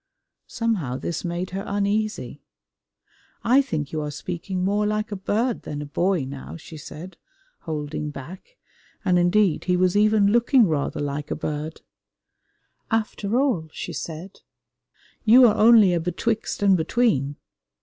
Somehow this made her uneasy. "I think you are speaking more like a bird than a boy now," she said, holding back, and indeed he was even looking rather like a bird. "After all," she said, "you are only a Betwixt and Between."